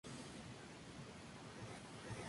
La elaboración tradicional de este panecillo es larga.